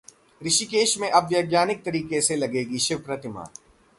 ऋषिकेश में अब वैज्ञानिक तरीके से लगेगी शिव प्रतिमा